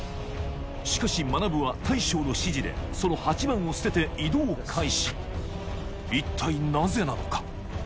しかしまなぶは大将の指示でその８番を捨てて移動開始一体なぜなのか？